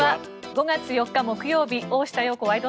５月４日、木曜日「大下容子ワイド！